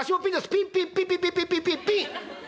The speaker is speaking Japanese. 「ピンピンピピピピピピピン」。